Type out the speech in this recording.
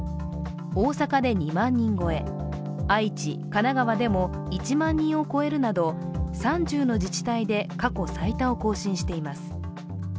大阪で２万人超え、愛知、神奈川でも１万人を超えるなど３０の自治体で過去最多を更新しています。